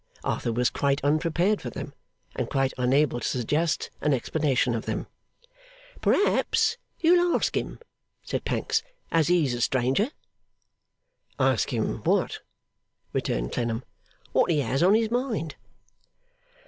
Arthur was quite unprepared for them, and quite unable to suggest an explanation of them. 'Perhaps you'll ask him,' said Pancks, 'as he's a stranger?' 'Ask him what?' returned Clennam. 'What he has on his mind.